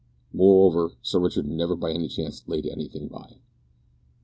Moreover, Sir Richard never by any chance laid anything by.